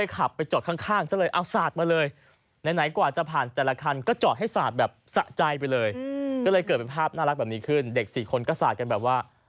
คนกศาตรแบบว่า